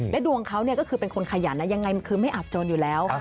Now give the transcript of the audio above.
ดวงเขาก็คือเป็นคนขยันยังไงมันคือไม่อาบโจรอยู่แล้ว